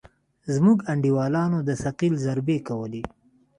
زموږ انډيوالانو د ثقيل ضربې کولې.